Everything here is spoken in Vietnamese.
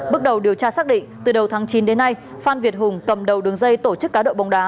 bước đầu điều tra xác định từ đầu tháng chín đến nay phan việt hùng cầm đầu đường dây tổ chức cá độ bóng đá